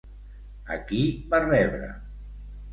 A qui va rebre?